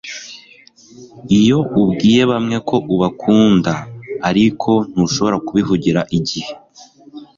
Iyo ubwiye bamwe ko ubakunda ariko ntushobora kubivugira igihe